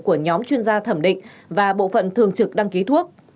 của nhóm chuyên gia thẩm định và bộ phận thường trực đăng ký thuốc